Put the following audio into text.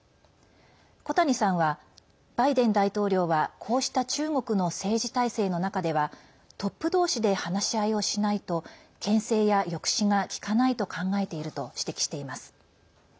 小谷さんは、バイデン大統領はこうした中国の政治体制の中ではトップ同士で話し合いをしないとけん制や抑止が効かないと考えていると、指摘しています。